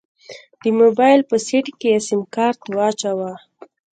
د موبايل په سيټ کې يې سيمکارت واچوه.